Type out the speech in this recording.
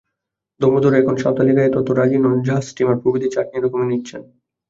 দামোদর এখন সাঁওতালি গাঁয়ে তত রাজী নন, জাহাজ-ষ্টীমার প্রভৃতি চাটনি রকমে নিচ্চেন।